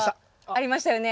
ありましたよね？